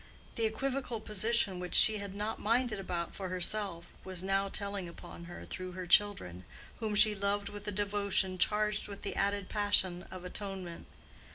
The equivocal position which she had not minded about for herself was now telling upon her through her children, whom she loved with a devotion charged with the added passion of atonement.